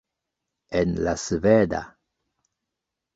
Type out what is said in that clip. En la sveda.